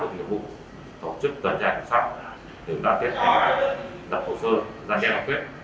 có sự tham gia các bộ nhiệm vụ tổ chức toàn gia hành pháp tổ chức đặc biệt là đập hồ sơ gian đeo học huyết